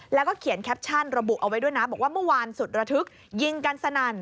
แล้วก็เขียนแคปชั่นระบุเอาไว้ด้วยนะบอกว่าเมื่อวานสุดระทึกยิงกันสนั่น